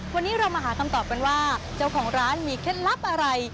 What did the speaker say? วันนี้เรามาหาคำตอบกันว่าเจ้าของร้านมีเคล็ดลับอะไร